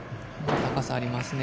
高さありますね。